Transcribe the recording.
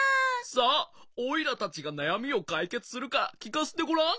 さあおいらたちがなやみをかいけつするからきかせてごらん。